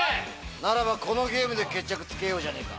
ならばこのゲームで決着つけようじゃねえか。